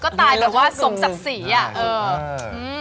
ก็ตายแบบว่าสมศักดิ์ศรีอะ